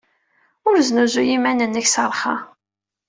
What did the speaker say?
Ur snuzuy iman-nnek s rrxa.